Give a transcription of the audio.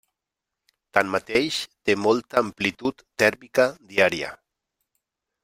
Tanmateix, té molta amplitud tèrmica diària.